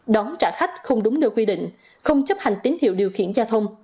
đón trả khách không đúng nơi quy định không chấp hành tín hiệu điều khiển giao thông